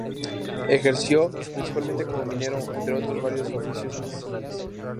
Ejerció principalmente como minero, entre otros varios oficios artesanales.